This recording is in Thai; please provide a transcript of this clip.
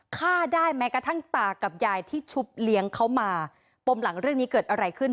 ฆ่าได้แม้กระทั่งตากับยายที่ชุบเลี้ยงเขามาปมหลังเรื่องนี้เกิดอะไรขึ้น